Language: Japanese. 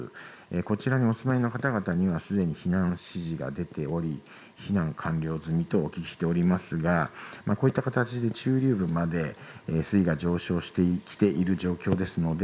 こちらにお住まいの方にはすでに避難指示が出ており避難は完了済みとお聞きしていますがこういった形で中流部まで水位が上昇してきている状況です。